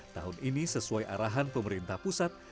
tahun ini sesuai arahan pemerintah pusat